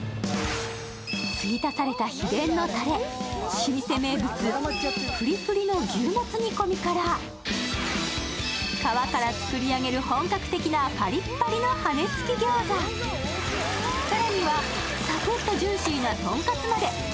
つぎ足された秘伝のたれ、老舗名物ぷりぷりの牛もつ煮込みから皮から作り上げる本格的なパリッパリの羽つき餃子、更にはサクッとジューシーな豚カツまで。